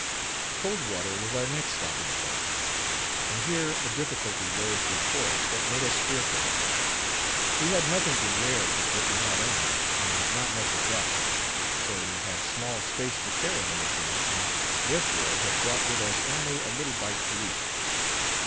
Cold Water was our next stopping place, and here a difficulty rose before us that made us fearful. We had nothing to wear but what we had on, and not much of that, so had small space for carrying anything, and, therefore, had brought with us only a little bite to eat.